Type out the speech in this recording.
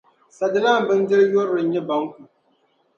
Sadilan bindiri yurili n-nyɛ banku.